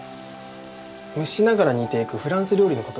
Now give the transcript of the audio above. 蒸しながら煮ていくフランス料理の事です。